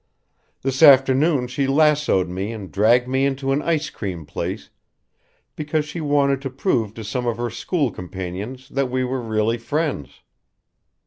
This afternoon she lassoed me and dragged me into an ice cream place because she wanted to prove to some of her school companions that we were really friends."